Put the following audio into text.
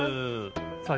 さあ